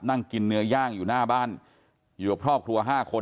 นั่งกินเนื้อย่างอยู่หน้าบ้านอยู่กับครอบครัว๕คน